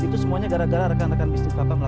itu semuanya gara gara rekan rekan bisnis papan